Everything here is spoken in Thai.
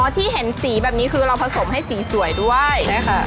ที่เห็นสีแบบนี้คือเราผสมให้สีสวยด้วยใช่ค่ะ